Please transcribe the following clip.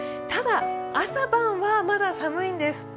ただ、朝晩はまだ寒いんです。